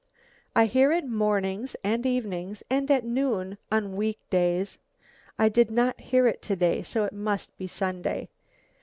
I hear it mornings and evenings and at noon, on week days. I did not hear it to day, so it must be Sunday.